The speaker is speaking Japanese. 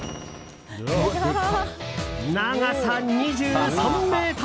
長さ２３ｍ！